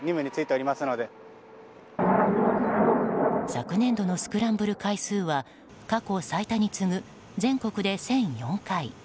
昨年度のスクランブル回数は過去最多に次ぐ全国で１００４回。